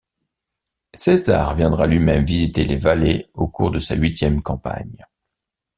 César viendra lui-même visiter les vallées au cours de sa huitième campagne.